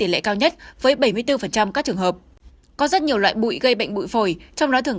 nặng nhất với bảy mươi bốn phần trăm các trường hợp có rất nhiều loại bụi gây bệnh bụi phổi trong đó thường